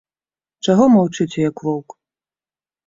Чаго маўчыце, як воўк?